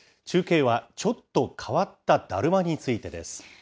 中継は、ちょっと変わっただるまについてです。